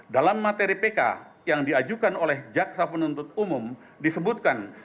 dalam materi pk yang diajukan oleh jaksa penuntut umum disebutkan